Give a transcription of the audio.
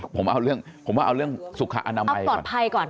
ผมว่าเอาเรื่องสุขอนามัยก่อน